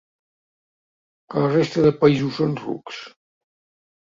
Que la resta de països són rucs?